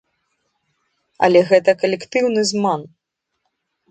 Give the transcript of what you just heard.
Але гэта калектыўны зман.